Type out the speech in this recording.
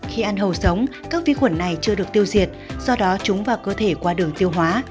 khi ăn hầu sống các vi khuẩn này chưa được tiêu diệt do đó chúng và cơ thể qua đường tiêu hóa